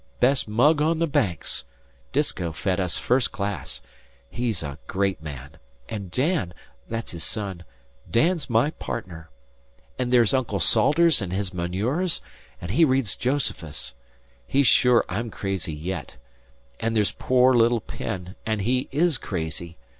But mug on the Banks. Disko fed us first class. He's a great man. And Dan that's his son Dan's my partner. And there's Uncle Salters and his manures, an' he reads Josephus. He's sure I'm crazy yet. And there's poor little Penn, and he is crazy.